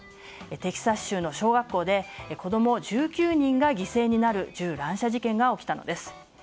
テキサス州の小学校で子供１９人が犠牲になる銃乱射事件が起きたのです。